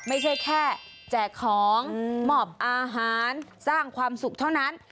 ไม่ใช่แค่แจกของหมอบอาหารสร้างความสุขเท่านั้น